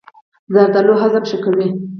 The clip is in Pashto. زردالو هضم ښه کوي.